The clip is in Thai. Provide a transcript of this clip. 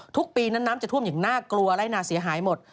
ทุกปีนั้นน้ำจะท่วมอย่างน่ากลัวไล่นาเสียหายหมด